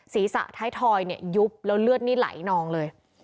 ศีรษะท้ายทอยเนี่ยยุบแล้วเลือดนี่ไหลนองเลย